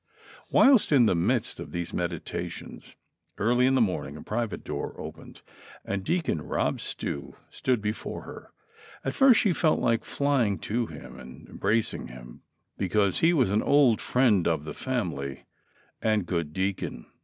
Whilst in the midst of these meditations, early in the morning, a private door opened, and Deacon Rob Stew stood before her ; at first she felt like flying to him and embracing him, because he was the old friend of the family THE CONSPIRATORS AND LOVERS. 101 and good deacon.